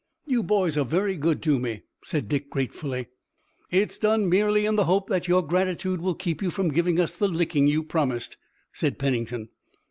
"You boys are very good to me," said Dick gratefully. "It's done merely in the hope that your gratitude will keep you from giving us the licking you promised," said Pennington.